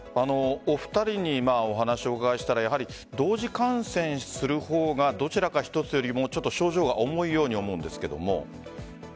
お二人にお話をお伺いしたら同時感染する方がどちらか１つよりも症状が重いように思うんですけども。